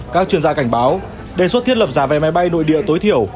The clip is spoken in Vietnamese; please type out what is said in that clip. các chuyên gia cảnh báo đề xuất thiết lập giá vé máy bay nội địa tối thiểu